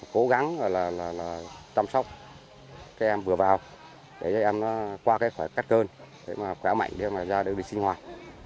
cố gắng chăm sóc các em vừa vào để cho các em nó qua khỏe cắt cơn khỏe mạnh để ra đường đi sinh hoạt